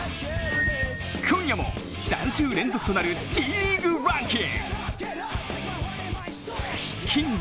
今夜も３週連続となるＴリーグランキング。